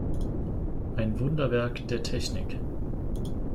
Ein Wunderwerk der Technik.